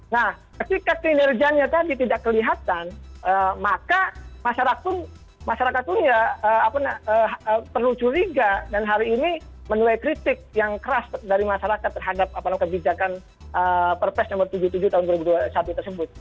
nah ketika kinerjanya tadi tidak kelihatan maka masyarakat pun ya perlu curiga dan hari ini menuai kritik yang keras dari masyarakat terhadap kebijakan perpres nomor tujuh puluh tujuh tahun dua ribu dua puluh satu tersebut